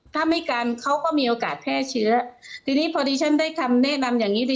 ถ้าไม่กันเขาก็มีโอกาสแพร่เชื้อทีนี้พอดีฉันได้คำแนะนำอย่างงี้